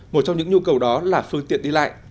một trong những nhu cầu đó là phương tiện đi lại